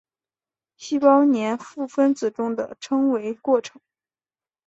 细胞黏附分子中的称为的过程。